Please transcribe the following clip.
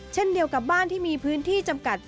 เช่นเดียวกับบ้านที่มีพื้นที่จำกัด